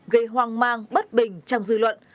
gây hoang mang bất bình trong dư luận